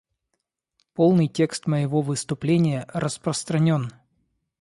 Полный текст моего выступления распространен.